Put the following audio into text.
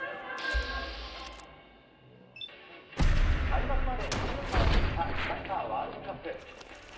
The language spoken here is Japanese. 開幕まで２週間を切ったサッカーワールドカップ。